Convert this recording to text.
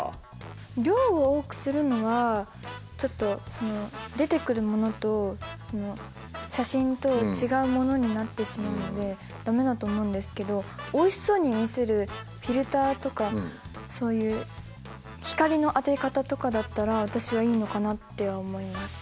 量を多くするのはちょっとその出てくるものと写真と違うものになってしまうので駄目だと思うんですけどおいしそうに見せるフィルターとかそういう光の当て方とかだったら私はいいのかなって思います。